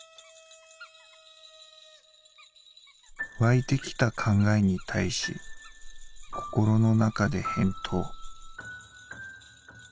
「湧いてきた考えに対し心の中で返答」。